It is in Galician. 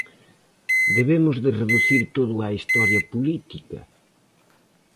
Debemos de reducir todo á historia política?